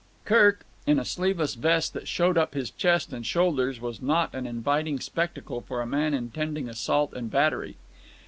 Kirk, in a sleeveless vest that showed up his chest and shoulders was not an inviting spectacle for a man intending assault and battery.